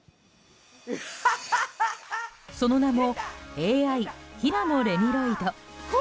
その名もＡＩ平野レミロイド。